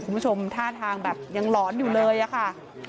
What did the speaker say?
คุณผู้ชมท่าทางแบบยังหลอนอยู่เลยอะค่ะ